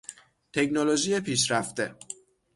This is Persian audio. تکنولوژی پیشرفته